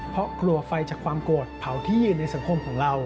เพราะกลัวไฟจากความโกรธเผาที่ในสังคมของเรา